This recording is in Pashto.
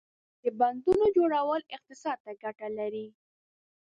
• د بندونو جوړول اقتصاد ته ګټه لري.